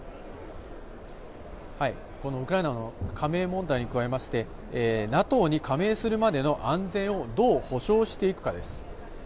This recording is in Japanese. このウクライナの加盟問題に加えまして、ＮＡＴＯに加盟するまでの安全をどう保障していくかです。